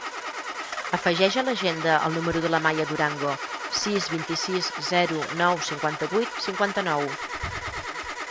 Afegeix a l'agenda el número de la Maia Durango: sis, vint-i-sis, zero, nou, cinquanta-vuit, cinquanta-nou.